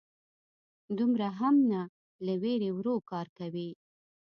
_دومره هم نه، له وېرې ورو کار کوي.